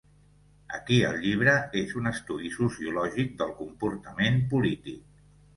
Aquí el llibre és un estudi sociològic del comportament polític.